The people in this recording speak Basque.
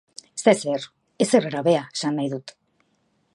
Ez da ezer, ezer grabea, esan nahi dut.